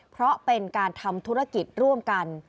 เพราะเป็นการทำธุรกิจร่วมกัน